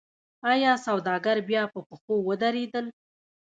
آیا سوداګر بیا په پښو ودرېدل؟